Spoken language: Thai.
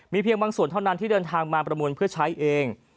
เพียงบางส่วนเท่านั้นที่เดินทางมาประมูลเพื่อใช้เอง